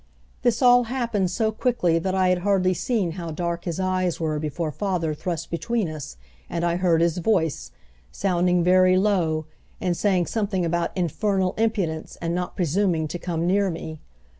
This all happened so quickly that I had hardly seen how dark his eyes were before father thrust between us, and I heard his voice, sounding very low, and saying something about infernal impudence and not presuming to come near me.